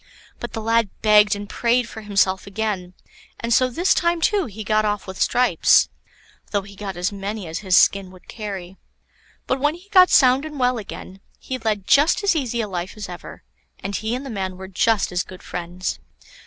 But the lad begged and prayed for himself again, and so this time too he got off with stripes; though he got as many as his skin would carry. But when he got sound and well again, he led just as easy a life as ever, and he and the man were just as good friends.